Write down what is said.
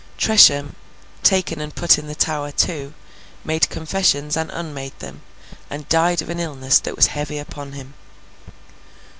Tresham, taken and put in the Tower too, made confessions and unmade them, and died of an illness that was heavy upon him.